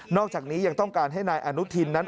อกจากนี้ยังต้องการให้นายอนุทินนั้น